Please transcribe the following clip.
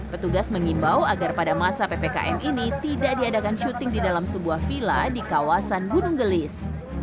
petugas mengimbau agar pada masa ppkm ini tidak diadakan syuting di dalam sebuah vila di kawasan gunung gelis